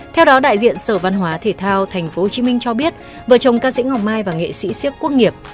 theo đó đại diện sở văn hóa thể thao tp hcm cho biết vợ chồng ca sĩ ngọc mai và nghệ sĩ siếc quốc nghiệp